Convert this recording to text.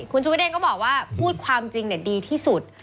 คุณชุวิตเองก็บอกว่าพูดความจริงดีที่สุด